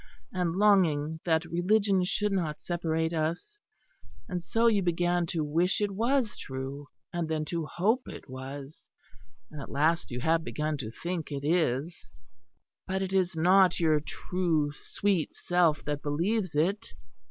and longing that religion should not separate us; and so you began to wish it was true; and then to hope it was; and at last you have begun to think it is. But it is not your true sweet self that believes it.